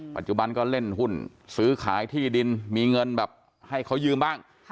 ปัจจุบันก็เล่นหุ้นซื้อขายที่ดินมีเงินแบบให้เขายืมบ้าง